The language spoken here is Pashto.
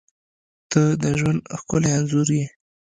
• ته د ژوند ښکلی انځور یې.